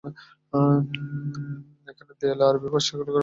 এখানের দেয়ালে আরবি ও ফার্সি ক্যালিগ্রাফি উৎকীর্ণ রয়েছে।